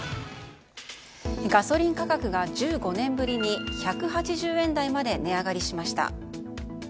ガソリン価格が１５年ぶりに１８０円台まで値上がりしました。